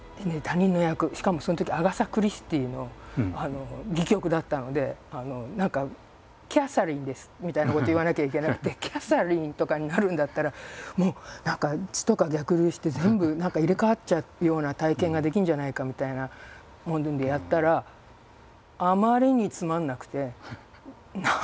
しかもそのときアガサ・クリスティーの戯曲だったので何か「キャサリンです」みたいなこと言わなきゃいけなくてキャサリンとかになるんだったらもう何か血とか逆流して全部何か入れ代わっちゃうような体験ができるんじゃないかみたいなものでやったらあまりにつまんなくて何？